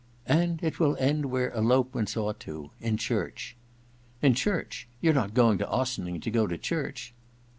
* And it will end where elopements ought to— in church.' * In church ? You're not going to Ossining to go to church